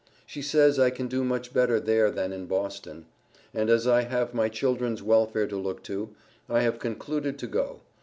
She says I can do much better there than in Boston. And as I have my children's welfare to look to, I have concluded to go.